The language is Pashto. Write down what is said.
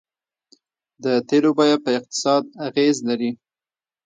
د تیلو بیه په اقتصاد اغیز لري.